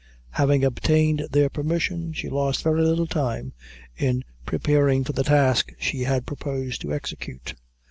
Having obtained their permission, she lost very little time in preparing for the task she had proposed to execute.